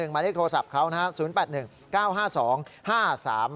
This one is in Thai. ๐๘๑มาที่โทรศัพท์เขานะฮะ๐๘๑๙๕๒๕๓๕๕